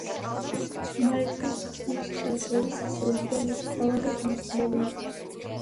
მაიკლის ხმისჩამწერი სესიებიდან ეს ყველაზე ხანგრძლივი იყო.